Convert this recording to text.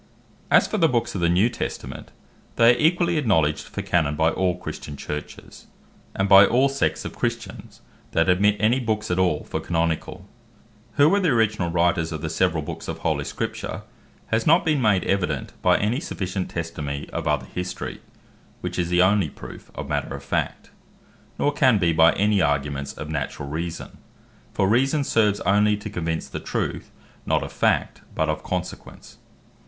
As for the Books of the New Testament, they are equally acknowledged for Canon by all Christian Churches, and by all sects of Christians, that admit any Books at all for Canonicall. Their Antiquity Who were the originall writers of the severall Books of Holy Scripture, has not been made evident by any sufficient testimony of other History, (which is the only proof of matter of fact); nor can be by any arguments of naturall Reason; for Reason serves only to convince the truth (not of fact, but) of consequence.